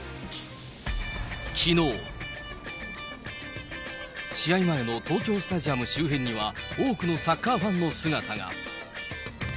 きのう、試合前の東京スタジアム周辺には、多くのサッカーファンの姿が。